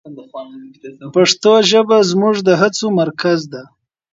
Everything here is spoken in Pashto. پښتو ژبه زموږ د هڅو مرکز ده.